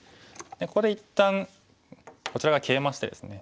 ここで一旦こちら側ケイマしてですね。